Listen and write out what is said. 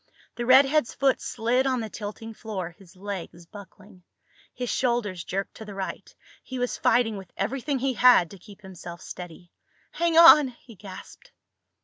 The redhead's foot slid on the tilting floor, his legs buckling. His shoulders jerked to the right. He was fighting with everything he had to keep himself steady. "Hang on!" he gasped.